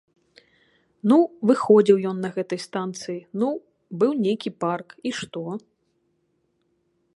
Ну, выходзіў ён на гэтай станцыі, ну, быў нейкі парк і што?